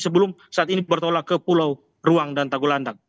sebelum saat ini bertolak ke pulau ruang dan tagolandang